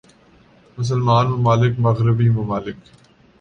مسلمان ممالک مغربی ممالک